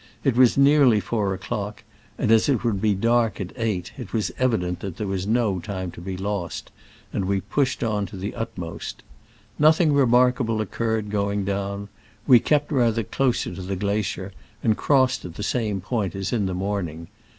It was nearly four o'clock, and as it would be dark at eight, it was evident that there was no time to be lost, and we pushed on to the utmost. Nothing remarkable occurred going down. We kept rather closer to the glacier, and crossed at the same point as in the morning.